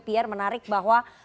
pierre menarik bahwa